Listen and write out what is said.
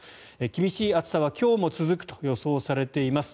厳しい暑さは今日も続くと予想されています。